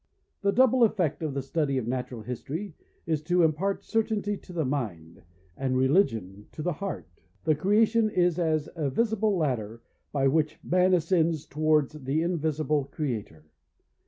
The double effect of the study of Natural History is to impart certainty to the mind, and religion to the heart. The creation is as a visible ladder by which man ascends towards the invisible Creator.